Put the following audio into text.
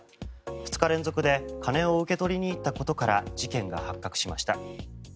２日連続で金を受け取りにいったことから事件が発覚しました。